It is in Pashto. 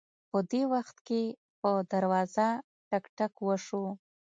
په دې وخت کې په دروازه ټک ټک شو